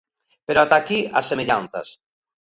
Pero até aquí as semellanzas.